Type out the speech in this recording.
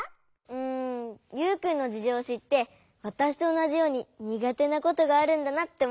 んユウくんのじじょうをしってわたしとおなじように苦手なことがあるんだなっておもったのはよかったです。